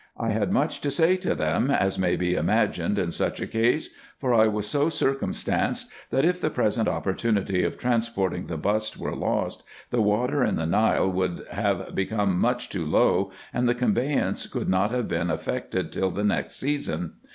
I had much to say to them, as may be imagined in such a case ; for I was so circumstanced, that if the present opportunity of transporting the bust were lost, the water in the Nile would have become much too low, and the conveyance could not have been effected till the next season.